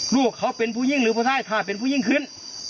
ลูกเขาเป็นผู้ยิ่งหรือผู้ใต้ถ้าเป็นผู้ยิ่งขึ้น